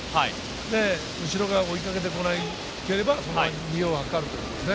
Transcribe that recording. で、後ろが追いかけてこなければそのまま逃げを図るということですね。